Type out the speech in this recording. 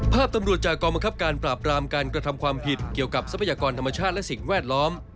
ตำรวจจากกองบังคับการปราบรามการกระทำความผิดเกี่ยวกับทรัพยากรธรรมชาติและสิ่งแวดล้อม